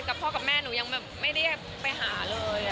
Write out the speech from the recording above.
กับพ่อกับแม่หนูยังไม่ได้ไปหาเลย